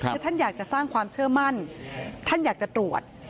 คือท่านอยากจะสร้างความเชื่อมั่นท่านอยากจะตรวจ